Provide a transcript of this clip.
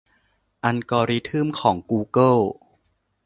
อัลกอริทึมของกูเกิล